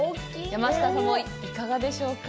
山下さんもいかがでしょうか。